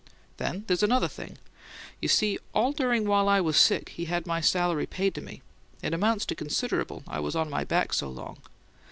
Then there's another thing: you see all during while I was sick he had my salary paid to me it amounts to considerable, I was on my back so long.